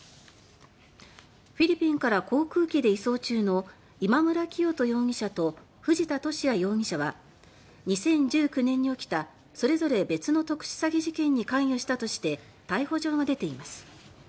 フィリピンから航空機で移送中の今村磨人容疑者と藤田聖也容疑者は２０１９年に起きたそれぞれ別の特殊詐欺事件に関与したとして逮捕状が出ています。